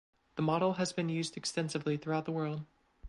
The model has been used extensively throughout the world.